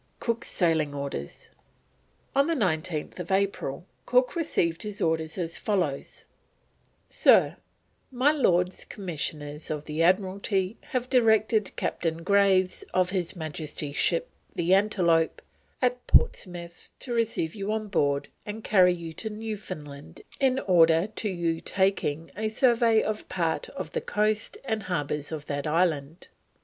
COOK'S SAILING ORDERS. On 19th April Cook received his orders as follows: Sir, My Lords Commissioners of the Admiralty, having directed Captain Graves, of His Majesty's Ship, the Antelope, at Portsmouth, to receive you on board and carry you to Newfoundland in order to your taking a Survey of Part of the Coast and Harbours of that Island.